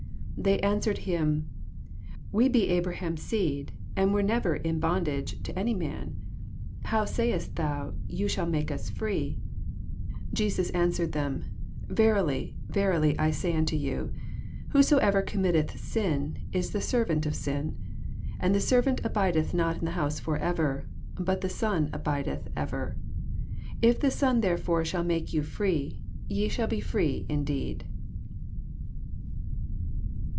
33 They answered him, We be Abraham's seed, and were never in bondage to any man: how sayest thou, Ye shall be made free 7 84 Jesus answered them, Verily, verily, I say onto yen, Whosoever committeth sin is the servant of sin. 35 And the servant abidetii not in the house forever: but the Son ahid eth ever. 36 If the Son, therefore, shall maka yon free, ye shall be free indeed.